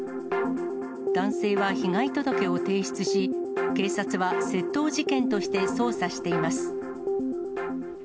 男性は被害届を提出し、警察は窃盗事件として捜査しています。